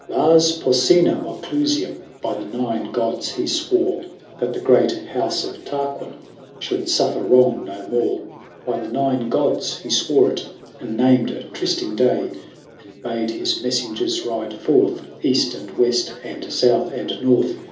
Lars Porsena of Clusium By the Nine Gods he swore That the great house of Tarquin Should suffer wrong no more. By the Nine Gods he swore it, And named a try sting day, And bade his messengers ride forth. East and west and south and north.